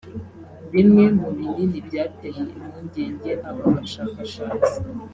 Bimwe mu binini byateye impungenge aba bashakashatsi